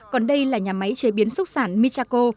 còn đây là nhà máy chế biến xúc sản michaco